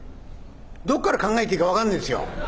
どっから考えていいか分かんねえんですよ」。